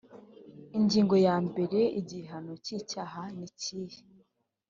ingingo ya mbere igihano cy icyaha nikihe